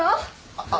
あっ。